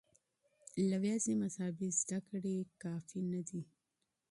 يوازې مذهبي زده کړې کافي نه دي.